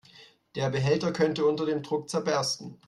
Der Behälter könnte unter dem Druck zerbersten.